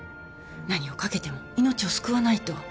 何をかけても命を救わないと。